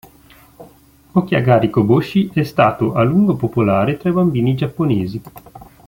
Okiagari-koboshi è stato a lungo popolare tra i bambini giapponesi.